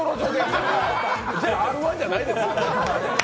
じゃ、Ｒ−１じゃないです。